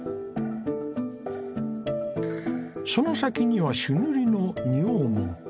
その先には朱塗りの仁王門。